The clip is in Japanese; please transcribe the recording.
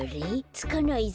つかないぞ。